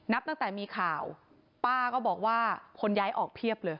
นับตั้งแต่มีข่าวป้าก็บอกว่าคนย้ายออกเพียบเลย